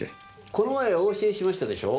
この前お教えしましたでしょう。